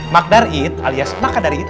magdar it alias maka dari itu